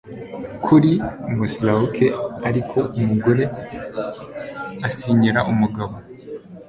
Kuri Moosilauke ariko umugore asinyira umugabo